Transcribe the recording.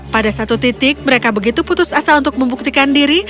pada satu titik mereka begitu putus asa untuk membuktikan diri